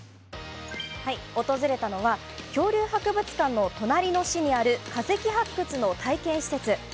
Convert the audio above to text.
訪れたのは恐竜博物館の隣の市にある化石発掘の体験施設です。